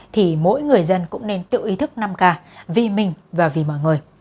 thì mỗi người dân cũng nên tự ý thức năm k vì mình và vì mọi người